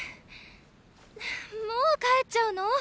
もう帰っちゃうの？